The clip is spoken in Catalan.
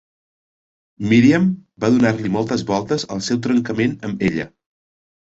Miriam va donar-li moltes voltes al seu trencament amb ella.